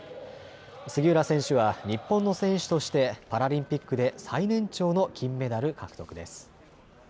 杉浦選手は日本の選手としてパラリンピックで最年長の金メダル獲得です。